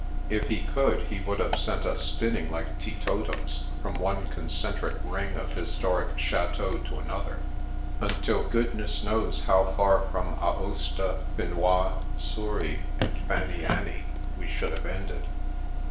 If he could, he would have sent us spinning like tee totums from one concentric ring of historic cha teaux to another, until goodness knows how far from Aosta, Finois, Souris, and Fanny anny, we should have ended.